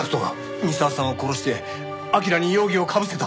三澤さんを殺して明良に容疑をかぶせた？